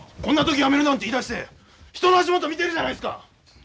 こんな時にやめるなんて言いだして人の足元見てるじゃないですか！